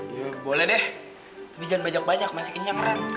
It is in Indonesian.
ya boleh deh tapi jangan banyak banyak masih kenyang ren